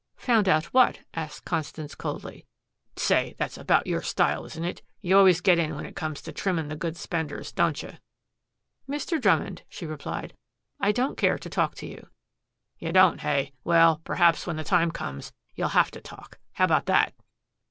"Found out what?" asked Constance coldly. "Say, that's about your style, isn't it? You always get in when it comes to trimming the good spenders, don't you?" "Mr. Drummond," she replied, "I don't care to talk to you." "You don't, hey? Well, perhaps, when the time comes you'll have to talk. How about that?"